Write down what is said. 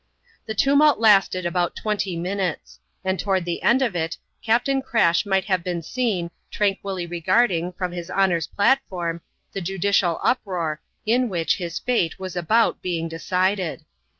The tumult lasted about twenty minutes; and toward the end of it, Captain Crash might have been seen, tranquilly re garding, from his Honour s platform, the judicial uproar, in which his fate was about being decided.